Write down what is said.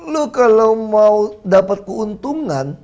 lu kalau mau dapat keuntungan